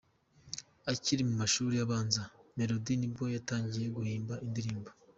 Akiri mu mashuri abanza , Melody nibwo yatangiye guhimba indirimbo.